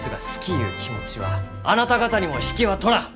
ゆう気持ちはあなた方にも引けはとらん！